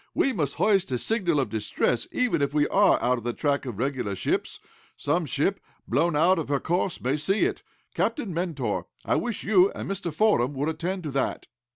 We must hoist a signal of distress, even if we are out of the track of regular vessels. Some ship, blown out of her course may see it. Captain Mentor, I wish you and Mr. Fordam would attend to that."